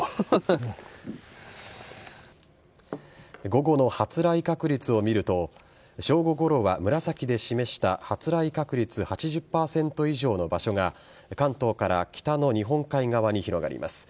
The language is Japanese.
午後の発雷確率を見ると正午ごろは紫で示した発雷確率８０％以上の場所が関東から北の日本海側に広がります。